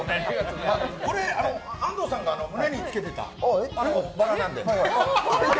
安藤さんが胸に着けていたバラなので。